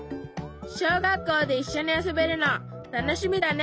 しょうがっこうでいっしょにあそべるのたのしみだね。